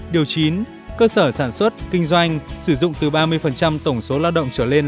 điều chín cơ sở sản xuất kinh doanh sử dụng từ ba mươi tổng số lao động trở lên